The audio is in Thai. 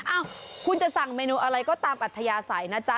อ้าวคุณจะสั่งไมนูอะไรตามอัตภัยสัยนะจ๊ะ